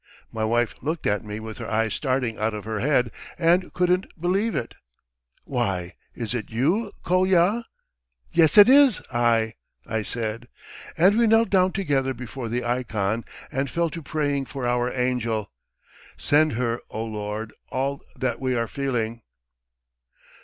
My wife looked at me with her eyes starting out of her head and couldn't believe it. 'Why, is it you, Kolya?' 'Yes, it is I,' I said. And we knelt down together before the ikon, and fell to praying for our angel: 'Send her, O Lord, all that we are feeling!'"